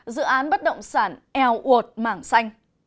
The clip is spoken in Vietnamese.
dự án bất động sản eo uột mảng xanh